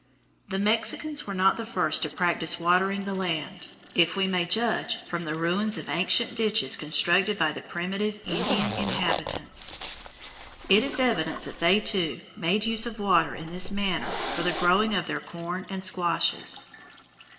The Mexicans were not the first to practise watering the land, if we may judge from the ruins of ancient ditches constructed by the primitive Indian inhabitants. It is evident that they too made use of water in this manner for the growing of their corn and squashes.